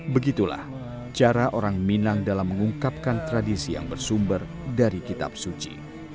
begitulah cara orang minang dalam mengungkapkan tradisi yang bersumber dari kitab suci